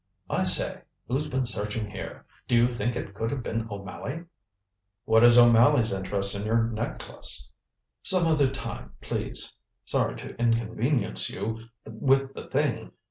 I say, who's been searching here? Do you think it could have been O'Malley?" "What is O'Malley's interest in your necklace?" "Some other time, please. Sorry to inconvenience you with the thing.